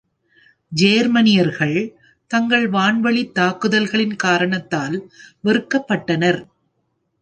ஜெர்மனியர்கள், தங்கள் வான்வழித் தாக்குதல்களின் காரணத்தால் வெறுக்கப்பட்டனர்.